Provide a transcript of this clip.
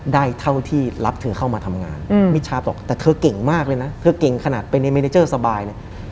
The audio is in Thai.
เท่าที่รับเธอเข้ามาทำงานมิชาบอกแต่เธอเก่งมากเลยนะเธอเก่งขนาดไปในเมเนเจอร์สบายเนี่ย